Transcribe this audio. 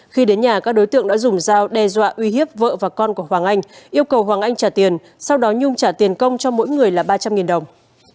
khi đến nhà các đối tượng đã dùng dao đe dọa uy hiếp vợ và con của hoàng anh yêu cầu hoàng anh trả tiền sau đó nhung trả tiền công cho mỗi người là ba trăm linh đồng